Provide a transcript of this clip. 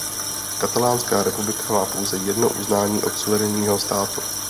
Katalánská republika má pouze jedno uznání od suverénního státu.